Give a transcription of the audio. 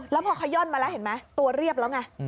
แล้วพอขย่อนมาแล้วเห็นไหมตัวเรียบแล้วไง